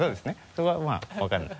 そこはまぁ分からない。